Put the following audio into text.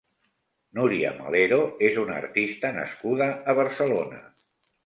Núria Melero és una artista nascuda a Barcelona.